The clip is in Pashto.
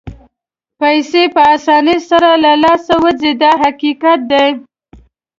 پیسې په اسانۍ سره له لاسه وځي دا حقیقت دی.